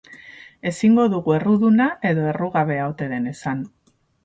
Ezingo dugu erruduna edo errugabea ote den esan.